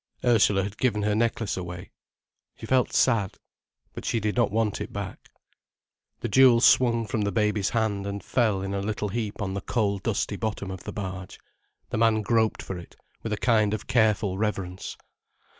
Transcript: Ursula had given her necklace away. She felt sad. But she did not want it back. The jewel swung from the baby's hand and fell in a little heap on the coal dusty bottom of the barge. The man groped for it, with a kind of careful reverence.